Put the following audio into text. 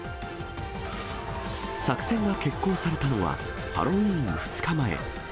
作戦が決行されたのは、ハロウィーンの２日前。